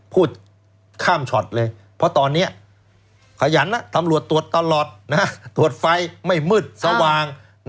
พูดข้ามช็อตเลยเพราะตอนนี้ขยันตำรวจตรวจตลอดตรวจไฟไม่มืดสว่าง